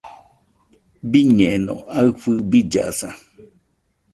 Biñeno aɨfɨ billasa.